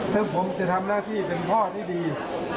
ซึ่งผมจะทำหน้าที่เป็นพ่อที่ดี